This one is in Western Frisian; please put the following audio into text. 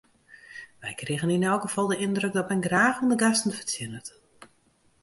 Wy krigen yn elk gefal de yndruk dat men graach oan de gasten fertsjinnet.